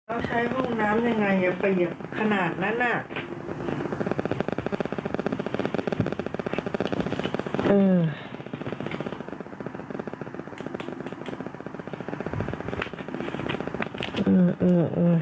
โอ้โฮคือ